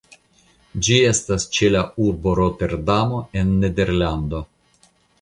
Ĝi estas ĉe la urbo Roterdamo en Nederlando.